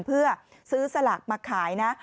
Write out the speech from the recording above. เพื่อซื้อสลากมาขายนะ